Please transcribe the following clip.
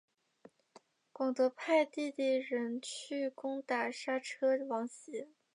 广德派弟弟仁去攻打莎车王贤。